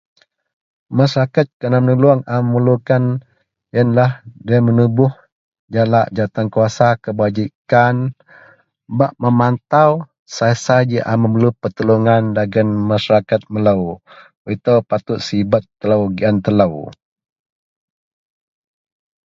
masyaraket kena menulung a memerlukan ienlah deloyien menubuh jalak jawatankuasa kebajikkan bak memantau sai-sai ji a bak merlukan pertulungan dagen Masyarakat melou, itou patut sibet telou giaan telou